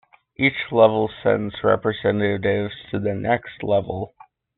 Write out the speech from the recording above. Each level sends representatives to the next level.